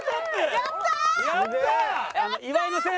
やったー！